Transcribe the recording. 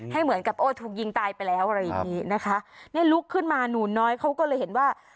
เหมือนกับโอ้ถูกยิงตายไปแล้วอะไรอย่างนี้นะคะเนี่ยลุกขึ้นมาหนูน้อยเขาก็เลยเห็นว่า